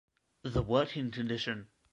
...the working condition